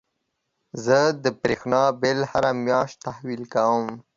زه د برېښنا بيل هره مياشت تحويل کوم.